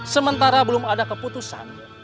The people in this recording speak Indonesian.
sementara belum ada keputusan